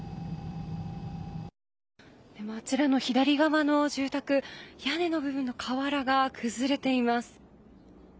あちらの左側の住宅屋根の部分の瓦が崩れています。